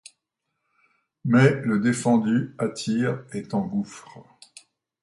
Mais le défendu attire, étant gouffre.